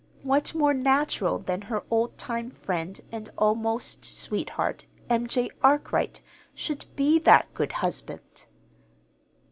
What more natural than that her old time friend and almost sweetheart, M. J. Arkwright, should be that good husband?